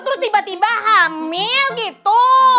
terus tiba tiba hamil gitu